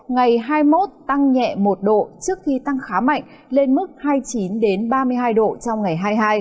ngày hai mươi một tăng nhẹ một độ trước khi tăng khá mạnh lên mức hai mươi chín ba mươi hai độ trong ngày hai mươi hai